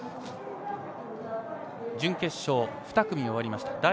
準決勝２組が終わりました。